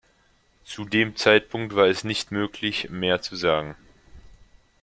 Zu dem Zeitpunkt war es nicht möglich, mehr zu sagen.